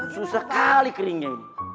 susah kali keringin